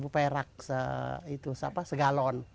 delapan perak segalon